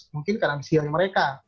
mungkin karena siang mereka